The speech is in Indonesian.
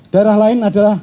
daerah lain adalah